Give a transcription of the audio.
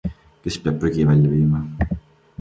Kes peab prügi välja viima?